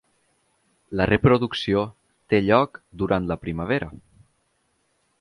La reproducció té lloc durant la primavera.